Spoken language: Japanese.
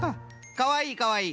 かわいいかわいい。